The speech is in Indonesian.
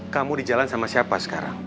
kamu di jalan sama siapa sekarang